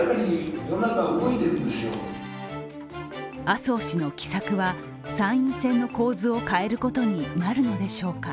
麻生氏の奇策は、参院選の構図を変えることになるのでしょうか。